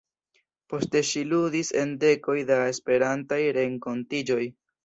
Poste ŝi ludis en dekoj da Esperantaj renkontiĝoj.